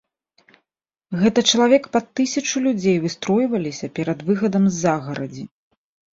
Гэта чалавек пад тысячу людзей выстройваліся перад выхадам з загарадзі.